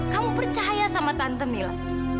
kamu percaya sama tante mila